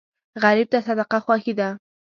غریب ته صدقه خوښي ده